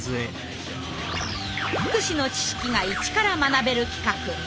福祉の知識が一から学べる企画「フクチッチ」。